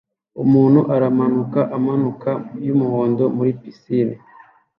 Umuntu aramanuka amanuka yumuhondo muri pisine